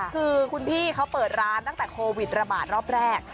คือคุณพี่เขาเปิดร้านตั้งแต่โควิดระบาดรอบแรก